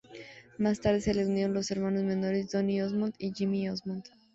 Más tarde se les unieron los hermanos menores Donny Osmond y Jimmy Osmond.